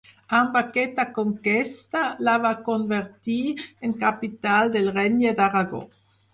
Amb aquesta conquesta la va convertir en capital del Regne d'Aragó.